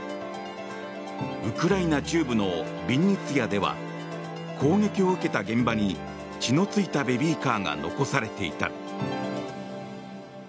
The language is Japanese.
ウクライナ中部のビンニツィアでは攻撃を受けた現場に血のついたベビーカーが残されていた。